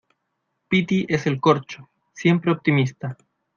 piti es el corcho. siempre optimista